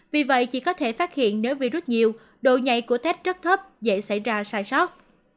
vì vậy chỉ có thể phát hiện nếu virus nhiều độ nhạy của tech rất thấp dễ xảy ra sai sót